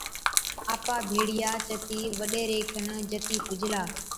آپا ڀيڙِيا چتِي وڏيري کن جتِي پُجلا،